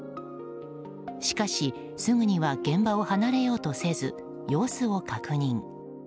しかし、すぐには現場を離れようとせず様子を確認。